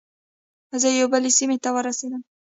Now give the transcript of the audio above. زه یوې بلې سیمې ته ورسیدم.